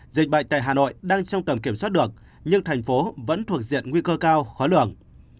dịch bệnh tại hà nội đang trong tầm kiểm soát được nhưng thành phố vẫn thuộc diện nguy cơ cao khó lường